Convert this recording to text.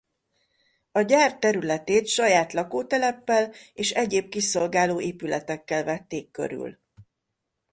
A gyár területét saját lakóteleppel és egyéb kiszolgáló épületekkel vették körül.